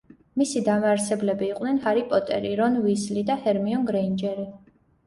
მისი დამაარსებლები იყვნენ ჰარი პოტერი, რონ უისლი და ჰერმიონ გრეინჯერი.